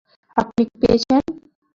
আপনি পেয়েছেন?